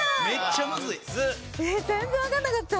全然わからなかった。